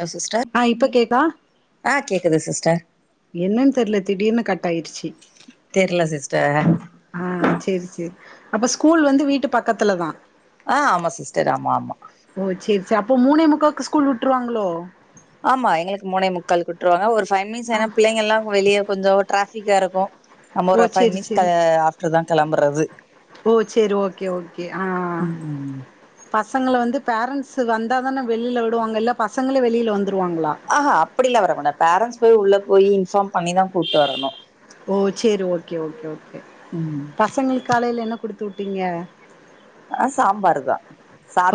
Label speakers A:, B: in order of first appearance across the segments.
A: Low sister
B: ஆ இப்ப கேக்கா
A: ஆ கேக்குது சிஸ்டர்
B: என்னன்னு தெரில திடீர்னு கட் ஆயிருச்சி
A: தெர்ல சிஸ்டர்
B: ஆ செரி செரி அப்ப ஸ்கூல் வந்து வீட்டு பக்கத்துலதா
A: ஆ ஆமா சிஸ்டர் ஆமா ஆமா
B: ஓ செரி செரி அப்போ மூணே முக்காக்கு ஸ்கூல் வுட்டுருவாங்ளோ
A: ஆமா எங்களுக்கு மூணே முக்காலுக்கு வுட்ருவாங்க ஒரு ஃபைவ் மினிட்ஸ்
B: ஆ
A: ஆனா பிள்ளைங்கெல்லா வெளிய கொஞ்சோ ட்ராஃபிக்கா இருக்கு நம்ம
B: ஓ
A: ஒரு பைவ்
B: சேரி
A: மினிட்ஸ்
B: சேரி
A: ஆஃப்டர்தா கெளம்புறது
B: ஓ செரி ஓகே ஓகே ஆ
A: ம் ம்
B: பசங்கள வந்து பேரண்ட்ஷு வந்தாதான வெளில விடுவாங்க இல்ல பசங்களே வெளில வந்துருவாங்களா
A: ஆ ஹா அப்டிலா வரங்மாட்டாங்க பேரண்ட்ஸ் போய் உள்ள போய் இன்ஃபார்ம் பண்ணிதா கூட்டு வரணு
B: ஓ செரி ஓகே ஓகே ஓகே
A: ம்
B: பசங்களுக் காலையில என்ன குடுத்துவுட்டீங்க
A: ஆ சாம்பாருதா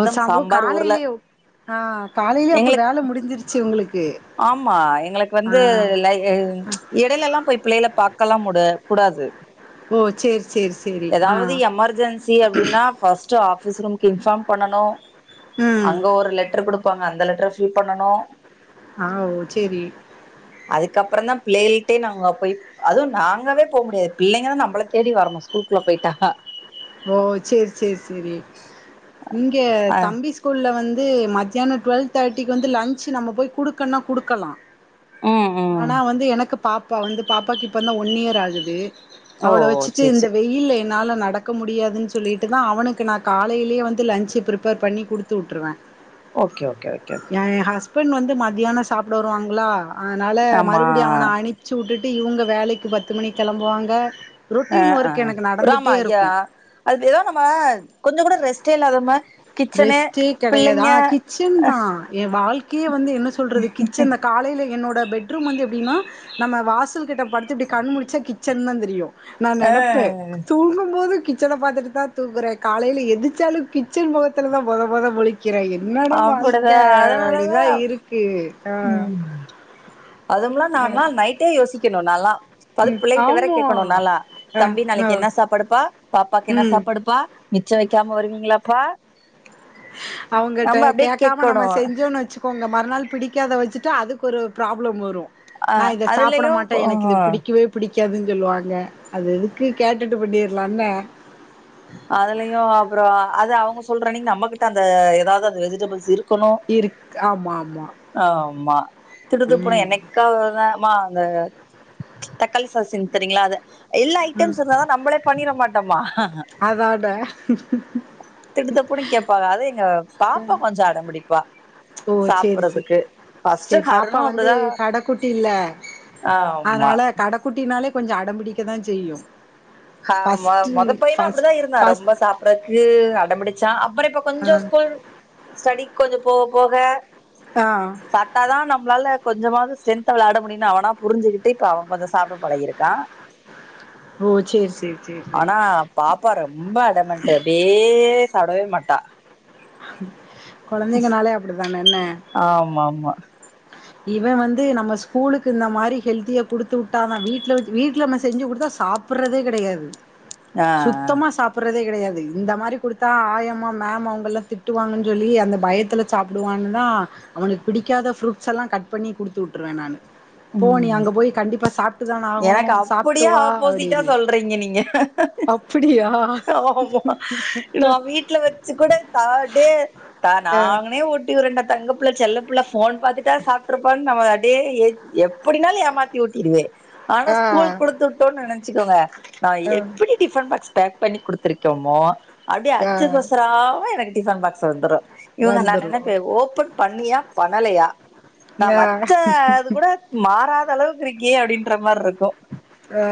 B: ஓ சம்போ
A: சாம்பார் உருல
B: காலையிலயே ஆ காலையிலே அப்ப வேல முடிஞ்சிருச்சு உங்களுக்கு
A: ஆம்மா எங்களுக்கு
B: ஆ
A: வந்து லை ஏ இடையிலலெல்லாம் போய் பிள்ளைல பாகக்கலா முட கூடாது.
B: ஓ செரி செரி
A: ஏதாவது எமர்ஜென்சி அப்டின்னா ஃபஸ்ட் ஆபீஸ் ரூமுக்கு இன்பாம் பண்ணனு
B: ம்.
A: அங்க ஒரு லெட்டர் குடுப்பாங் அந்த லெட்டர ஃபில் பண்ணனு
B: அ ஒ செரி
A: அதுக்கப்பற தா பிள்ளைல்ட்டே நாங்க போய் அதுவும் நாங்களே போ முடியாது பிள்ளைங்க தா நம்பள தேடி வரணு ஸ்கூலுக்குள்ள போய்ட்டா
B: ஓ செரி செரி சேரி இங்க
A: அ
B: தம்பி ஸ் கூல்ல வந்து மத்யான டுவல் தேட்டிக்கு வந்து லஞ்சு நம்ம போய் குடுக்கனா குடுக்கலா
A: ம் ம்
B: ஆனா வந்து எனக்கு பாப்பா வந்து பாப்பாக்கு இப்பந்தா ஒன் இயர் ஆகுது
A: ஓ
B: அவள வச்சிட்டு
A: சேரி
B: இந்த
A: சேரி
B: வெயில்ல என்னால நடக் க்க முடியாதுன் சொல்லிட்டு தா அவனுக்கு நா காலையிலியே வந்து லன்சு பிரிபேர் பண்ணி குடுத்து வுட்டுருவ
A: ஓகே ஓகே ஓகே ஓகே
B: எ எ ஹஸ்பண்ட் வந்து மத்யானோ சாப்ட வருவாங்ளா ஆனால
A: ஆமா
B: மறுபுடி அவன அனிப்ச்சி வுட்டுட்டு இவுங்க வேலைக்கு பத்து மணிக் கெளம்புவாங்க
A: அ
B: ரொட்டீன்
A: அ
B: ஒர்க் எனக்கு
A: ராமா
B: நடந்துட்டே
A: ஐயா
B: இருக்கு
A: அது ஏதோ நம்ம கொஞ்ச கூட ரெஸ்டே இல்லாத மா
B: ரெஸ்ட்டே கெடையாது ஆ கிச்சன்
A: அ
B: தா எ வாழ்கையே வந்து என்ன சொல்றது கிச்சன் தா காலையில என்னோட பெட்ரூம் வந்து எப்டின்னா நம்ம வாசல் கிட்ட படுத்து இப்டி கண் முழிச்சா கிச்சன் தா தெரியு நா
A: அ
B: நெனப்பே தூங்கும் போது கிச்சன பாத்துட்டு தா தூங்குறே காலைல எந்துச்சாலு கிச்சன் மொகத்துல தா மொத மொத முழிக் கிற என்னடா வாழ்க்க
A: அப்டிதா அதனாலதா
B: அப்டிதா இருக்கு ஆ
A: அதும்லா நான்லா நைட்டே யோசிக்கணு நாலா பது
B: ம்
A: பிள்ளைட்ட வேற
B: ஆமா
A: கேக்கணு நாலா
B: ஆ
A: தம்பி நாளைக்கி
B: ஆ
A: என்ன சாப்பாடுப்பா பாப்பாக்கு என்ன
B: ம்
A: சாப்பாடுப்பா மிச்ச வெக்காம வருவீங்களாப்பா
B: அவுங்கட்ட
A: நம்ம அப்டியே
B: கேக்காம நம்ம
A: கேட்கணு
B: செஞ்சோன் வச்சு கோங்க மறுநாள் பிடிக்காத வச்சிட்டு அதுக்கு ஒரு ப்ராப்ளம் வரு
A: அ
B: நா இத சாப்ட
A: அதுலயு
B: மாட்ட எனக்கு இது பிடிக்கவே புடிக்காதுன் சொல்லுவாங்க அது எதுக்கு கேட்டுட்டு பண்ணிர்லான்ன
A: அதுலயு அப்றோ அது அவுங்க சொல்றன்னகி நம்மகிட்ட அந்த ஏதாது அந்த வெஜிடபுள்ஸ் இருக்கணு
B: இருக் ஆமா ஆமா
A: ஆமா திடு திப்புனு
B: ம்
A: என்னைக் [unintelligible] மா அந்த தக்காளி சாஸ் செஞ்ச் தரிங்ளா அத எல்லா
B: ம்
A: ஐட்டம்ஸ் இருந்தா தா நம்பளே பண்ணிற மாட்டமா
B: அதாட
A: திடுதிப்புனு கேப்பாக அது எங்க பாப்பா கொஞ்ச அடம் புடிப்பா
B: ஓ சேரி சேரி
A: சாப்றதுக்கு ஃபஸ்ட்
B: சேரி பாப்பா
A: ஹருணு
B: வந்து
A: அப்டிதா ஆமா
B: ல கடக் குட்டினாலே கொஞ்சோ அடம் பிடிக்க தா செய்யு
A: ஹாமா மொத பையனு அப்டிதா இருந்தா
B: ஃபஸ்ட்
A: ரொம்ப சாப் றக்கு அட பிடிச்சா அப்பறோ இப்ப
B: ஆ
A: கொஞ்சோ ஸ்கூல் ஸ்டெடி கொஞ்சோ போக போக
B: ஆ
A: சாப்டா தா நம்ளால கொஞ்சமாவது ஸ்டெரென்த்தா வெளடா முடியினு அவனா புரிஞ்சுகிட்டு இப்ப அவ கொஞ்சோ சாப்ட பழகிருக்கா
B: ஓ செரி செரி
A: ஆனா பாப்பா ரொம்ப அடமென்ட்டு அப்டியே சாப்டவே மாட்டா
B: கொழந்தைங்கனாலே அப்டித்தான என்ன
A: ஆமாமா
B: இவ வந்து நம்ம ஸ்கூலுக்கு இந்த மாரி ஹெல்த்தியா குடுத்துவுட்டாதா வீட்ல வெச் வீட்ல நம்ம செஞ்சு குடுத்தா சாப் பிட்றதே கெடையாது
A: ஆ ஆ
B: சுத்தமா சாப்றதே கெடையாது இந்த மாரி குடுத்தா ஆயமா மேம் அவுங்கல திட்டுவாங்கன் சொல்லி அந்த பயத்துல சாப்டுவான்னுதா அவனுக்கு பிடிக்காத ஃபுரூட்ஸ்ஸல்லா கட் பண்ணி குடுத்துவுட்ருவே நானு போ நீ
A: ம்
B: அங்க போய் கண்டிப்பா சாப்ட்டு தான ஆகணு
A: எனக்கு
B: சாப்ட்டு
A: அப்டியே
B: வா
A: ஆப்போசிட்டா
B: அப்டின்னு
A: சொல்றீங்க நீங்க
B: அப்டியா
A: ஆமா நா வீட்ல வெச்சு கூட தாடே த
B: அ
A: நானுமே ஊ ட்டிவுரேண்டா தங்கபிள்ள செல்ல பிள்ள ஃபோன் பாத்துட்டா சாப்ட்ருபான் நாம டே எ எப்டினாலு ஏமாத் தி ஊட்டிருவே ஆனா
B: ஆ
A: ஸ்கூல் குடுத்வுட்டோன் நெனச்சுகோங்க நா
B: அ
A: எப்டி டிபன் பாக்ஸ் பேக் பண்ணி குடுத்திருக்கேமோ அப்டியே
B: ஆ
A: அச்சுபெசராம எனக்கு டிபன் பாக்ஸ் சாயந்ரோ இவுங்க நா
B: வந்துரு
A: நெனப்பே ஓபன் பண்ணியா பண்ணலயா நா வச்ச
B: ஆ
A: அது கூட மாறாத அளவுக்கு இருக்கே அப்டின்ற மாரிருக்கு
B: ஆ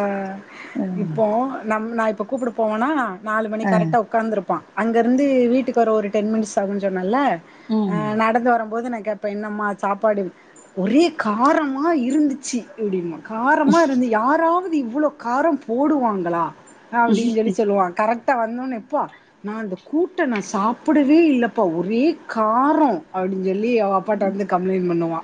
B: இப்போ நம்ம நா இப்ப கூப்பட போவனா நாலு மணி
A: அ
B: கரெக்டா உக்காந்துருப்பா அங்கருந்து வீட்டுக்கு வர ஒரு டென் மினிட்ஸ் ஆகுஞ் சொன்னல்ல
A: ம்
B: ஆ நடந்து வருபோது நா கே ப்பே என்னம்மா சாப்பாடு ஒரே காரமா இருந்துச்சு இப்டிம்பா காரமா இருந்து யாராவுது இவ்ளோ காரோ போடுவாங்களா அப்டின் சொல்லி சொல்லுவா கரெக் டா வந்தோனே எப்பா நா அந்த கூட்ட நா சாப்படவே இல்லப்பா ஒரே காரோ அப்டின் சொல்லி அவ அப்பாட்ட வந்து கம்ப்ளைன் பண்ணுவா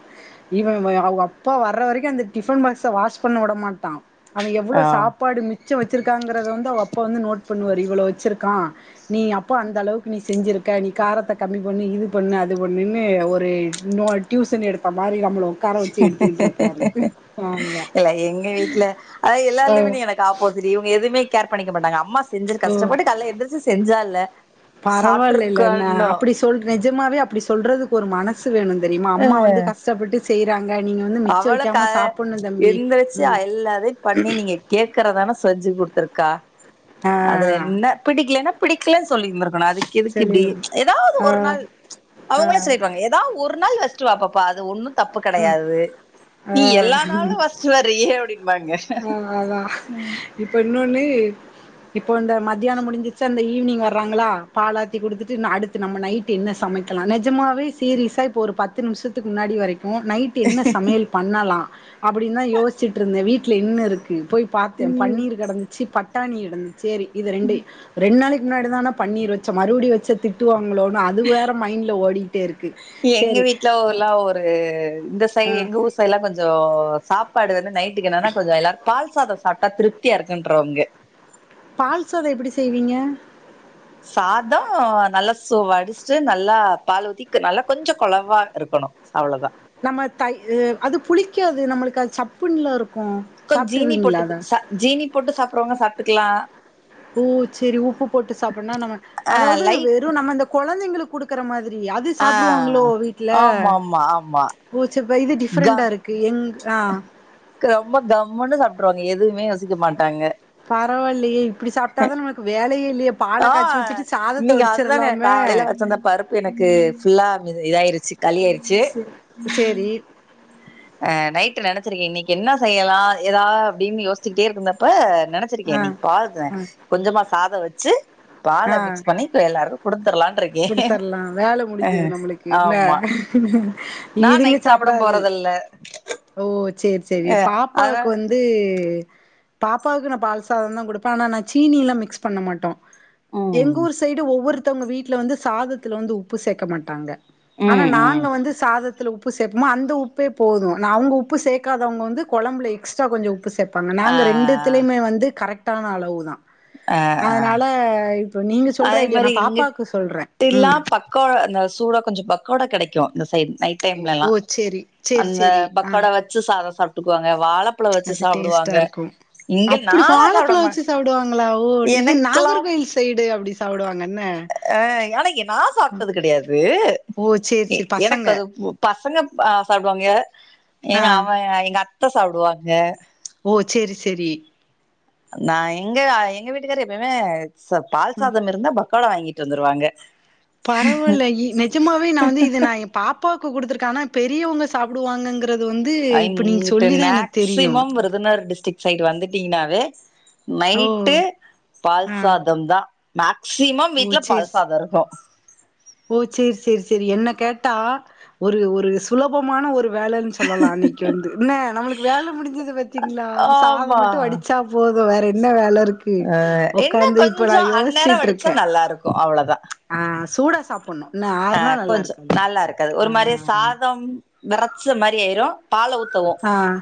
B: இவே வ அவுகப்பா வர்ற வரைக்கு அந்த டிஃபன் பாக்ஸ வாஷ் பண்ணவுட மாட்டா அவே எவ்ளோ
A: ஆ
B: சாப்பாடு மிச்சோ வெச்சிருக்காங்கிறத வந்து அவ அப்பா வந்து நோட் பண்ணுவாரு இவ்ளோ வெச்சிருக்கா நீ அப்போ அந்த அளவுக்கு நீ செஞ்சிருக்க நீ காரத்த கம்மி பண்ணு இது பண்ணு அது பண்ணுனு ஒரு நோட் டியூசன் எடுத்த மாரி நம்மள ஒக்கார வெச்சு எடுத்துக்கிட்ருப்பாரு [unintelligible]
A: இல்ல எங்க வீட்ல அது எல்லாலிமே நீ எனக்கு ஆப்போசிட் இவுங்க எதுவுமே கேர் பண்ணிக்க மாட்டாங்க அம்மாஸ் செஞ்சிரு
B: ஓ
A: கஷ்டப்பட்டு கால்ல எந்திரிச்சி செஞ்சால்ல
B: பரவால்ல இல்லைல அண்ண
A: சாப்ட்ருக்கணு
B: அப்டி ஸ் சொல் நிஜமாவே அப்டி சொல்றதுக்கு ஒரு மனசு வேணு தெரியுமா அம்மா வந்து கஷ்டப்பட்டு செய்றாங்க நீங்க வந்து மிச்ச
A: அவளு க
B: வெக்காம சாப்புணு தம்பி
A: எந்திரிச்சு
B: ம்
A: எல்லாதையு பண்ணி நீங்க கேக்குறதான செஞ்சு குடுத்துருக்கா அதுல
B: ஆ
A: என்ன பிடிக்கலேனா பிடிக்லேன் சொல்லிருந்திருக்கணு அதுக்கு எதுக்கு இப்டி
B: சொல்லிருங்க
A: எதாவ்து
B: ஆ
A: ஒரு நாள்
B: ஆ
A: அவுங்களே சொல்லிருவாங்க எதா ஒரு நாள் வெச்சிட்டு வா பாப்பா அது ஒன்னு தப்பு கெடையாது
B: ஆ
A: நீ எல்லா நாளு வச்சிட்டு வரீயே அப்டின்
B: ஆ அதா இப்ப இன்னொன்னு இப்போ இந்த மத்தியானோ முடிஞ்சிச்சா அந்த ஈவினிங் வர்றாங்ளா பாலாத்தி குடுத்துட்டு இன்னு அடு த்து நம்ம நைட் என்ன சமைக்கலா நெஜமாவே சீரிஸா இப்ப ஒரு பத்து நிமிசத்துக்கு முன்னாடி வரைக்கு நைட் டு என்ன சமையல் பண்ணலா அப்டின் தா யோஸ்சிட்டு இருந்தே வீட்ல என்ன இருக்கு போய் பாத்தே
A: ம்
B: பன்னீர் கெடந்துச்சி பட்டாணி இருந்துச்சி சேரி இத ரெண்டு ரெண் நாளைக்கு முன்னாடி தா நா பன்னீர் வெச்சே மறுவுடி வெச்சா திட்டுவாங்களோனு அது வேற மைண்ல ஓடிட்டே இருக்கு
A: எங்க
B: சேரி
A: வீட்ல ஒருல்லா ஒரு இந்த சை எங்க ஊர் சைடுல்லா கொஞ்சோ சாப்பாடு வந்து நைட் டுக்கு என்னனா கொஞ்சோ எல்லாரு பால் சாதோ சாப்டா திருப்தியா இருக்குன்ருவாங்க
B: பால்சோறு எப்பிடி செய்வீங்க
A: சாதோ நல்லா சோ வடிச்சிட்டு நல்லா பால் ஊத்தி நல்லா கொஞ்சோ கொழவா இருக்கணு அவ்ளோதா
B: நம்ம தை அ அது புளிக்காது நம்முளுக்கு அது சப்புன்ல இருக்குன்
A: கொஞ் ஜீனி போட்டு ச ஜீனி போட்டு சாப்புடுறவுங்க சாப்புட்டுக்லா
B: ஓ சேரி உப்பு போட்டு சாப்பிடனோனா நம்ம
A: அ
B: அதாவது
A: லைட்
B: வெறு நம்ம இந்த கொழந்தைங்களுக் குடுக் க்குற மாதிரி அது
A: ஆ
B: சாப்புடுவாங்ளோ வீட்ல
A: ஆமா ஆமா ஆமா.
B: போச்சு அப்ப இது டிஃப்ரெண்டா இருக்கு எங்க ஆ
A: க்ரொம்போ கம்முன்னு சாப்ட்ருவாங்க எதுவுமே யோசிக்க மாட்டாங்க
B: பரவாயில்லையே இப்புடி சாப்பிட்டாதான் நமக்கு வேலயே இல்லையே பால
A: ஆ
B: காச்சி வச்சுட்டு சாப்
A: இன்னைக்கு அதுதானங்க காலையில வச்ச அந்த பருப்பு எனக்கு ஃபுல்லா ந்தது இதாயிருச்சு காளி ஆயிருச்சு
B: செ சேரி
A: அ நைட் நெனச்சிருக்கே இன்னைக்கு என்ன செய்யலா ஏதா அப்டினு யோசிச்சுகிட்டே இருக்குந்தப்ப நெனச் ச்சுருகே
B: ஆ
A: நீ பால் அ கொஞ்சமா சாதோ வச்சு பால மிக்ஸ் பண்ணி க்கு எல்லாருக்கு குடுத்துரலானு
B: குடுத்தரலா வேல முடிஞ்சது நம்மளுக்கு என்ன இதுங்க
A: சாப்ட
B: சாப்டாது
A: போறதில்ல
B: ஓ சேரி சேரி பாப்பாவுக்
A: அதனால
B: வந் து பாப்பாவுக்கு நான் பால்சாதன் தான் குடுப்பேன் ஆனா நான் சீனிலா மிக்ஸ் பண்ண மாட்டோ
A: ம்
B: எங்கூர் சைடு ஒவ்வொருத்தவுங்க வீட்ல வந்து சாதத்துல வந்து உப்பு சேக்க மாட்டாங்க ஆனா
A: ம் ம்
B: நாங்க வந்து சாதத்துல உப்பு சேப்பமா அந்த உப்பே போது அவுங்க உப்பு சேக்காதவுங்க வந்து குழம்புல எக்ஸ்ட்ரா கொஞ்சோ உப் உப்பு சேப்பாங்க
A: ஆ
B: நாங்க ரெண்டுத்திலயுமே வந்து கரெக்டான அளவு தான்
A: ஆ ஆ
B: அதனால இப்ப நீங்க சொல்ற ஐடியா நான் பாப்பாக்கு சொல்றே
A: டில்லா
B: ம்
A: பக்கோ அந்த சூட கொஞ்சோ பக்கோடா கெடைக்கு இந்த சைட் நைட்
B: ஓ
A: டைம்ல்லலா
B: ஓ சேரி சேரி
A: அந்த
B: சேரி ஆ
A: பக்கோட வச்சு சாதம் சாப்புட்டுக்குவாங்க வாழப் ப்பழோ வச்சு
B: அது டேஸ்ட்டா
A: சாப்புடுவாங்க
B: இருக்கு
A: இங்க நாளா சாப்பிட மாட்டே
B: டுவாங்களா ஓ இது நாகர்கோயில் சைடு அப்புடி சாப்புடுவாங்கன்ன
A: அ ஆனா என் நான் சாப்ட்டது கெடையாது
B: ஓ சேரி
A: ஏ
B: சேரி
A: எனக்கு
B: பசங்க
A: அது பு பசங்க ப அ சாப்புடுவாங்க
B: ஆ
A: எங்கே அவன் எங்க அத் த சாப்புடுவாங்க
B: ஓ சேரி சேரி
A: நா எங்க எங்க வீட்டுக்காரு எப்பயுமே ச பால்
B: ம்
A: சாதம் இருந்தா பக்கோடா வாங்கிட்டு வந்துருவாங்க
B: பரவாயில்லயே நெஜமாவே நா வந்து இது நா பாப்பாக்கு குடுத்துருக்க ஆனா பெரியவுங்க சாப்பிடுவாங்ககிறது வந் து இப்ப நீங்க சொல்லிதா எனக்கு தெரியு
A: னார் டிஸ்ட்ரிக் சைடு வந்துட்டீங்னாவே
B: ஓ
A: நைட்டு பால்
B: ஆ
A: சாதம் தான் மேக்சிமம்
B: ஓ
A: வீட்டுல
B: சேரி
A: பால்
B: சே
A: சாதோ இருக்கு
B: ஓ சேரி சேரி சேரி என்ன கேட்டா ஒரு ஒரு சுலபமான ஒரு வேலைன் சொல்லலா அன்னைக்கு வந்து என்ன நம்முளுக்கு வேல முடிஞ்சது பத்தீங்களா சாதம்
A: ஆமா
B: மட்டு வடிச்சாப் போது வேற என்ன வேல இருக் கு
A: அஹ் என்ன
B: ஒக்காந்து இப்ப நா
A: கொஞ்சம் அந்நேரம்
B: யோசிச்ட்டு
A: வடிச்சா
B: இருக்கேன்
A: நல்லா இருக்கும் அவ்வளவுதான்
B: ஆன் சூடா சாப்புணு
A: ஆ கொஞ்சோ நல்லா இருக்காது ஒரு மாதிரி சாதம் வேரச்ச மாரி ஆயிரு பால்ல உத்
B: ஆன்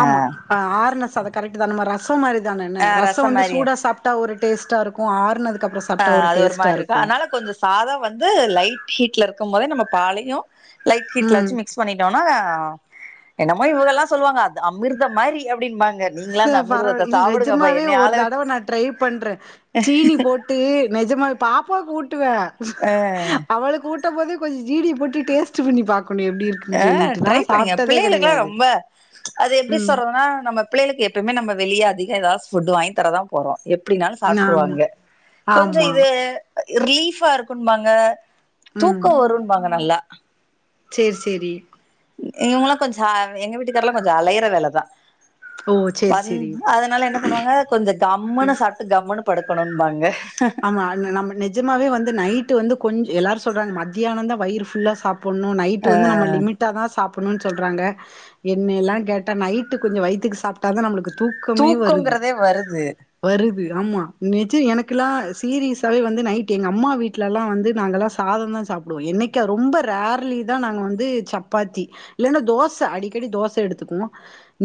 B: ஆமா அ ஆறுன சாதோ கரெக்ட் இது நம்ம ரசோ மாரி தானெனு
A: ஆ
B: ரசோ
A: ரசம்
B: வந்து
A: மாரி
B: சூடா சாப்புட்டா ஒரு டேஸ்டா இருக்குன் ஆறுனதுக்கப்பறோ சாப்
A: ஆ அது ஒரு மாரி இருக்குன் அனால கொஞ்சோ சாதம் வந்து லைட் ஹீட்ல இருக்கு போதே நம்ம பாலையு லைட் ஹீட்ல
B: ம்
A: வச்சு மிக்ஸ் பண்ணிட்டோனா என்னமோ இவுங்கெல்லா சொல்லுவாங்க அது அமிர்த மாரி அப்படின்பாங்க
B: ச பரவா இல் நெஜமாவே ஒரு
A: ஆள
B: தடவ நா ட்ரை பண்றே சீனி போட் ட்டு நெஜமா பாப்பாவுக் ஊட்டுவே
A: ஆ
B: அவளுக் ஊட் ஊட்டம் போது கொஞ்ச ஜீனி போட்டு டேஸ்ட் பண்ணி பாக்கணு எப்டி இருக்
A: ஆ ட்ரை பண்ணுங்க புள்ளைகளுக்கெல்லா ரொம்ப அது எப்டி
B: ம்
A: சொல்றதுன்னா நம்ம புள்ளைகளுக்கு எப்பவுமே நம்ம வெளிய அதிக எதாவது ஃபுட் வாங்கி தரதா போறோ எப்டினாலு
B: ஆமா
A: சாப்ட்ருவாங்க கொஞ்ச
B: ஆமா
A: இது ரிலீஃபா இருக்குன்பாங்க தூக்க வருன்பாங்க நல்லா
B: சேர் செரி
A: இவுங்களா கொஞ்ச எங்க வீட்டுக்காரல்லா கொஞ்ச அலையற வேலதா
B: ஓ சேரி
A: வந்
B: சேரி
A: அதுனால என்ன பண்ணுவாங்க கொஞ்ச கம்முன்னு சாப்ட் ட்டு கம்முன்னு படுக்கணுன்பாங்க
B: நம்ம நிஜமாவே வந்து நைட்டு வந்து கொஞ்ச எல்லாரு சொல்றாங்க மத்தியானந்தா வயிறு ஃபுல்லா சாப் புன்னு நைட்டு வந்து நம்ம லிமிட் ட்டா தா சாப்புன்னுன் சொல்றாங்க என்னையெல்லா கேட்டா நைட்டு கொஞ்ச வயித்துக்கு சாப் டாதா நம்முளுக்கு தூக்கமே வருது
A: தூக்கங்கிறதே வருது
B: வருது ஆமா நெஜோ எனக் லா சீரிஸ்சாவே வந்து நைட்டு எங்க அம்மா வீட்லெல்லா வந்து நாங்க எல்லா சாதோநாதா சாப்டுவோ என்னைக் கா ரொம்போ ரேர்லி தா நாங்க வந்து சப்பாத்தி இல்லன்னா தோச அடிக்கடி தோச எடுத்துக்குவோ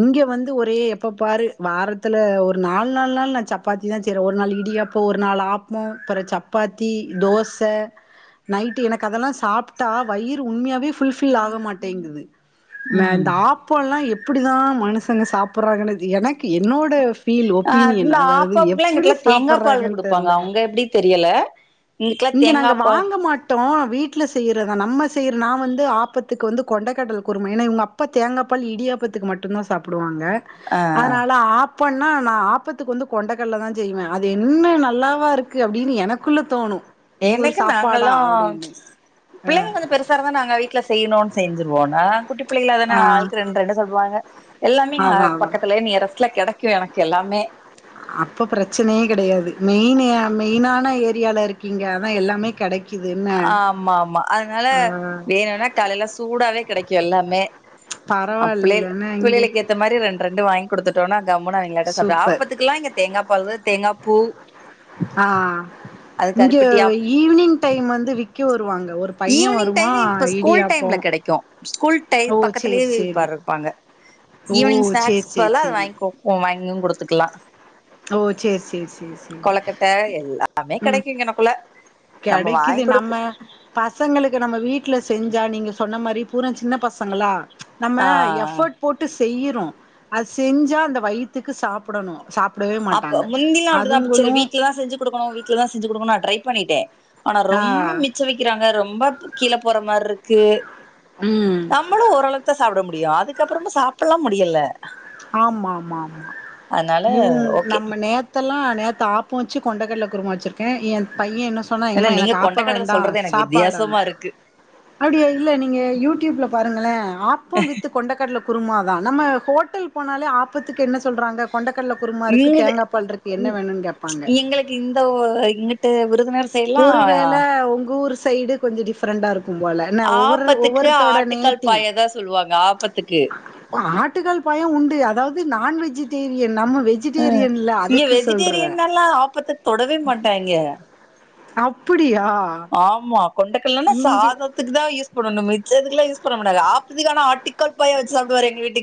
B: இங்க வந்து ஒரே எப்ப பாரு வாரத்துல ஒரு நாலு நாள் நாள் நா சப்பாத்திதா செய்றே ஒரு நாள் இடியாப் இப்போ ஒரு நாள் ஆப்போ அப்பறோ சப்பாத்தி தோச நைட்டு எனக்கு அதெல்லா சாப்புட்டா வயிறு உண்மையாவே ஃபுல்ஃபில் ஆக மாட்டேங்குது
A: ம்
B: மேந்தாப் இப்போல்லா எப்புடிதா மனுஷங்க சாப்புட்றாங்கன்னே தெரிய எனக்கு என்னோட ஃபீல் ஒப்பீனியன் அதாவது எப்புடியோ சாப்
A: ப்பால் குடுப்பாங்க அவுங்க எப்டி தெரியல இதுக்குல்லா தேங்கா பால்
B: க்க மாட்டோ வீட்ல செய்யுறதா நம்ம செய்யற நா வந்து ஆப்பத்துக்கு வந்து கொண்டைக்கடல குருமா ஏன்னா இவுங்க அப் அப்பா தேங்கா பால் இடியாப்பத்துக்கு மட்டுந்தா சாப்புடுவாங்க ங்க
A: ஆ ஆ
B: அதுனால ஆப்போன்னா நா ஆப்பத்துக்கு வந்து கொண்டைக்கல்ல தா செய்வே அது என்ன நல்லாவா இருக்கு அப்புடின் எனக்குள்ள தோணு இது ஒரு
A: எனக்கு
B: சாப்பாடா
A: நாங்கல்லா
B: அப்டின்னு
A: புள்ளைங்க கொஞ்ச பெருஸ் சார் தா நாங்க வீட்ல செய்யணுன் செஞ்சுருவோ நா குட்டிப்புள்ளைகளா தான
B: ஆ
A: ஆளுக்கு ரெண்டு ரெண்டு சாப்புடுவாங்க எல்லாமே இங்க
B: அதா அதா
A: பக்கத்துலயே நியரெஸ்ட்ல கெடைக்கு எனக்கு எல்லாமே
B: அப்ப ப்ரச்சனயே கெடையாது மெயின் ஆ மெயினான ஏரியால இருக்கீங்க அதா எல்லாமே கெடைக்கு
A: ஆமா ஆமா அதுனால வேணுன்னா காலையில சூடாவே கெடைக்கு எல்லாமே அப்புலேல்
B: பரவாயில்லல்லன்னா இங்க
A: புள்ளைகளுக் ஏத்த மாரி ரெண்டு ரெண்டு வாங்கி குடுத்துட்டோனா கம்முனா அவங்களாட்ட சாப்ட்ரு
B: சூப்பர்
A: ஆப்பத்துக்குல்லா இங்க தேங்கா பால் தா தேங்காப்பூ
B: ஆ இங்க
A: ஆப்
B: ஈவ்னிங் டைம் வந்து விக்க வருவாங்க ஒரு பைய
A: ஈவ்னிங்
B: வருவா
A: டைம் இப்ப ஸ்கூல்
B: இடியாப்போ
A: டைம்ல கெடைக்கு ஸ்கூல் டை
B: ஓ சேரி
A: பக்கத்துலயே
B: சேரி
A: வெப்பார் வெப்பாங்க
B: ஓ
A: ஈவ்னிங்
B: சேரி
A: ஸ்நாக்ஸ்க்கு
B: சேரி
A: பதுலா இத
B: சேரி
A: வாங்கோங் ஒர வாங்கியு குடுத்துக்லா
B: ஓ சேரி சேரி சேரி சேரி
A: கொழுக்கட்ட எல்லாமே
B: ம்
A: கெடைக்கு இகுனக்குள்ள நம்பஜவாங்கி
B: கெடைக்குது
A: குடுக்கு
B: நம்ம பசங்களுக்கு நம்ம வீட்ல செஞ்சா நீங்க சொன்ன மாரி பூரா சின்ன பசங்களா நம்ம
A: ஆ
B: எஃபர்ட் போட்டு செய்யுறோ அது செஞ்சா அந்த வயித்துக்கு சாப்டணு சாப்
A: அப்ப முந்திலா அப்டிதா சரி வீட்ல தான் செஞ்சு குடுக்கணு வீட் ட்ல தா செஞ்சு குடுக்கனு நா ட்ரை பண்ணிட்டே ஆனா
B: ஆ
A: ரொம்ப மிச் மிச்ச வக்கிறாங்க ரொம்ப கீழ போற மாரி இருக்கு
B: ம்
A: நம்மளு ஓரளவுக்குதா சாப்ட முடியு அதுக்கப்புறமு சாப்டலா முடியல
B: ஆமா ஆமா ஆமா
A: அதனால
B: இவுங்க
A: ஓகே
B: நம்ம நே நேத்துல்லா நேத்து ஆப்பம் வச்சு கொண்டக்கடல குருமா வச்சிருக்கே என் பையன் இன்னும் சொன்னா
A: ஏன்னா
B: எம்மா
A: நீங்க
B: எனக்கு ஆப்ப
A: கொண்டக்கடல
B: வேண்டாம்
A: சொல்றது எனக்கு
B: சாப்பாடு
A: வித்தியாசமா இருக்கு
B: அப்படியா இல்ல நீங்க யூடியூப்ல பாருங்களேன் ஆப்பம் வித்து கொண்ட கடல குருமா தா நம்ம ஹோட்டல் போனாலே ஆப்பத்துக்கு என்ன சொல்றாங்க கொண்டக்கடல குருமா இருக்கு
A: இங்கிட்டு
B: தேங்கா பால் இருக்கு என்ன வேணுன்னு கேப்பாங்க
A: எங்களுக்கு இந்த ஓ இங்குட்டு விருதுநகர்
B: ஒருவேள உங்க ஊர் சைடு கொஞ்சம் டிஃப்ரெண்டா இருக்கும் இருக்கும் போல என்ன ஒவ்வொரு
A: ஆப்பத்துக்கு
B: ஒவ்வொருத்தோட
A: ஆட்டுக்கால்
B: நேட்டிவ்
A: பாயாதா சொல்லுவாங்க ஆப்பத்துக்கு
B: ஆட்டுகால்ஸ பாயாஸ உண்டு அதாவது நான் வெஜிடேரியன் நம்ம வெஜ்
A: அ இல்ல வெஜிடேரியன் எல்லா ஆப்பத்த தொடவே மாட்டாங்க
B: அப்படியா
A: ஆமா கொண்டக்கடலனா சாதத் த்துக்குதா யூஸ் பண்ணனும் மிச்சத்துக்கெல்லா யூஸ் பண்ண மாட்டாங்க ஆப்பத்துக்கு ஆனா ஆட்டுக்கால் பாயா வெச்சி சாப்பிடுவாரு எங்க வீட்டுக்